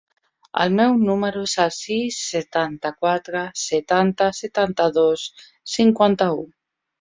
El meu número es el sis, setanta-quatre, setanta, setanta-dos, cinquanta-u.